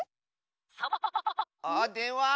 あっでんわ！